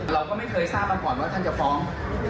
เราก็ไม่เคยทราบมาก่อนว่าท่านจะฟ้อง